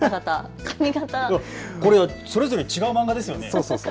髪型、それぞれ違う漫画ですよね。